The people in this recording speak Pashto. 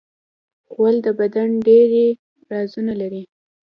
غول د بدن ډېری رازونه لري.